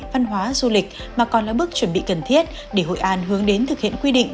văn hóa du lịch mà còn là bước chuẩn bị cần thiết để hội an hướng đến thực hiện quy định